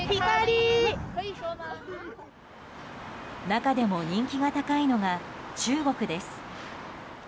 中でも人気が高いのが中国です。